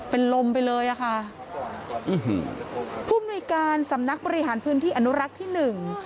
เป็นลมไปเลยอ่ะค่ะผู้มนุยการสำนักบริหารพื้นที่อนุรักษ์ที่หนึ่ง